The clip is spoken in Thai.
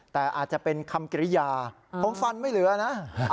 แต่อาจจะเป็นคำกิริยาผมฟันไม่เหลือนะ